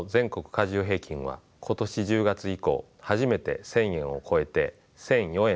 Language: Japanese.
加重平均は今年１０月以降初めて１，０００円を超えて１，００４円となります。